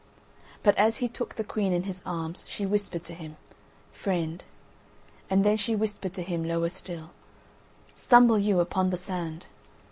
But as he took the Queen in his arms she whispered to him: "Friend." And then she whispered to him, lower still "Stumble you upon the sand."